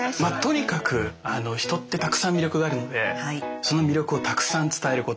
とにかく人ってたくさん魅力があるのでその魅力をたくさん伝えること。